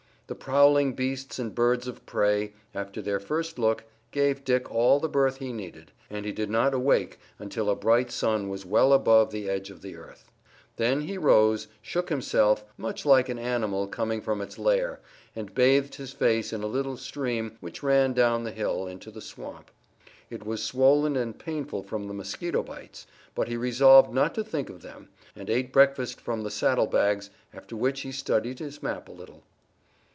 The prowling beasts and birds of prey, after their first look, gave Dick all the berth he needed, and he did not awake until a bright sun was well above the edge of the earth. Then he rose, shook himself, much like an animal coming from its lair, and bathed his face in a little stream which ran down the hill into the swamp. It was swollen and painful from the mosquito bites, but he resolved not to think of them, and ate breakfast from the saddlebags, after which he studied his map a little.